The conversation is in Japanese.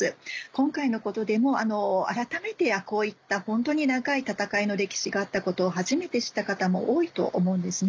今回のことでも改めてこういった本当に長い闘いの歴史があったことを初めて知った方も多いと思うんですね。